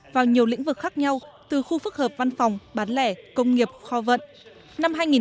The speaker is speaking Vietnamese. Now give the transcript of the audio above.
vào nhiều lĩnh vực khác nhau từ khu phức hợp văn phòng bán lẻ công nghiệp kho vận